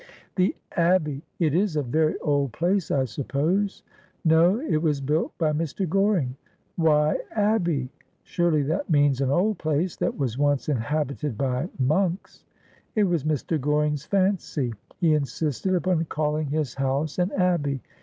' The Abbey ! It is a very old place, I suppose ?' 'No ; it was built by Mr. Goring.' 'Why Abbey? Surely that means an old place that was once inhabited hj monks.' ' It was Mr. Goring's fancy. He insisted upon calling his house an abbey.